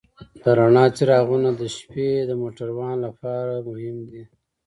د رڼا څراغونه د شپې موټروان لپاره مهم دي.